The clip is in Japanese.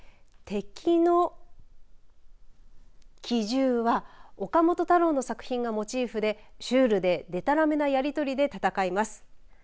敵の奇獣は岡本太郎の作品がモチーフでシュールででたらめなやり取りで戦います。